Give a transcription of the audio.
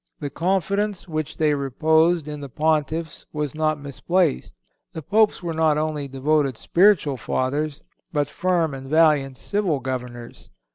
The confidence which they reposed in the Pontiffs was not misplaced. The Popes were not only devoted spiritual Fathers, but firm and valiant civil Governors.